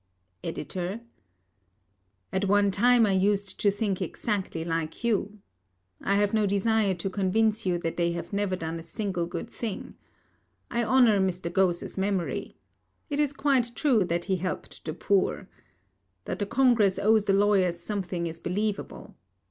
EDITOR: At one time I used to think exactly like you. I have no desire to convince you that they have never done a single good thing. I honour Mr. Ghose's memory. It is quite true that he helped the poor. That the Congress owes the lawyers something is believable.